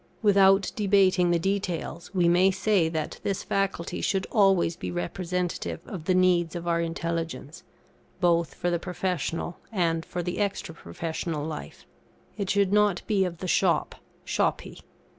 Without debating the details, we may say that this Faculty should always be representative of the needs of our intelligence, both for the professional and for the extra professional life; it should not be of the shop, shoppy.